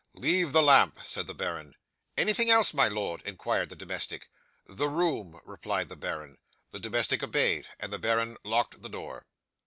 '"Leave the lamp," said the baron. '"Anything else, my lord?" inquired the domestic. '"The room," replied the baron. The domestic obeyed, and the baron locked the door.